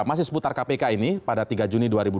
masih seputar kpk ini pada tiga juni dua ribu dua puluh